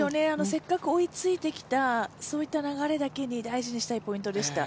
せっかく追いついてきた流れだけに、大事にしたいポイントでした。